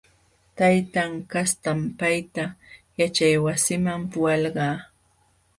Taytan kastam payta yaćhaywasiman puhalqa.